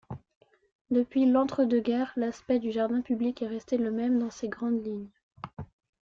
Depuis l'entre-deux-guerres, l'aspect du jardin public est resté le même dans ses grandes lignes.